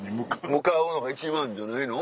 向かうのが一番じゃないの？